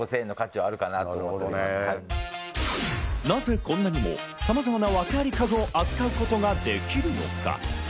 なぜこんなにもさまざまなワケあり家具を扱うことができるのか？